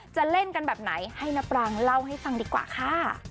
จะเล่นกันแบบไหนให้น้าปรางเล่าให้ฟังดีกว่าค่ะ